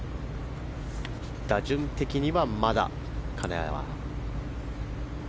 打順的には、まだ金谷は。